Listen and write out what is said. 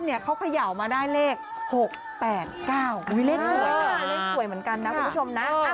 พี่ส้มเขาเขย่ามาได้เลข๖๘๙เลขสวยเหมือนกันนะคุณผู้ชมนะ